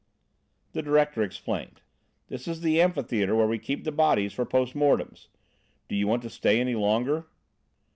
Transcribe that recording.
The director explained: "This is the amphitheatre where we keep the bodies for post mortems. Do you want to stay any longer?"